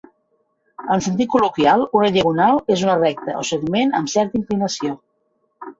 En sentit col·loquial, una diagonal és una recta o segment amb certa inclinació.